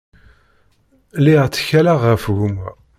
Lliɣ ttkaleɣ ɣef gma.